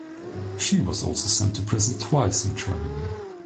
She was also sent to prison twice in Germany.